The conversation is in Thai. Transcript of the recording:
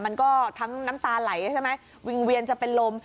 มันก็ทั้งน้ำตาไหลใช่ไหมวิงเวียนจะเป็นลม